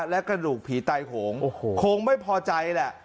และกระดูกผีตายโหงคงไม่พอใจแหละ